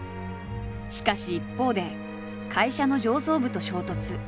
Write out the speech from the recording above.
しかし一方で会社の上層部と衝突。